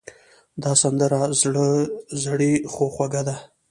دا سندره زړې خو خوږه ده.